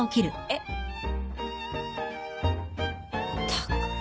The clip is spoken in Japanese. ったく。